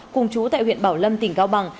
cùng chú tại huyện bảo lâm tỉnh cao bằng